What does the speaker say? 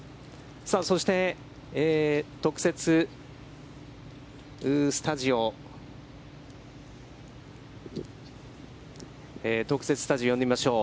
そして、特設スタジオを呼んでみましょう。